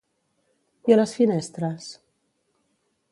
I a les finestres?